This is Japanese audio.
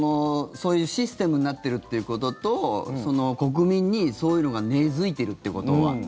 そういうシステムになってるということと国民にそういうのが根付いてるということは。